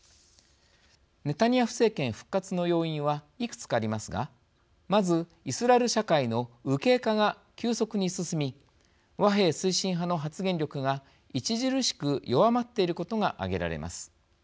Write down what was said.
ネタニヤフ政権復活の要因はいくつかありますがまず、イスラエル社会の右傾化が急速に進み和平推進派の発言力が著しく弱まっていることが挙げられます。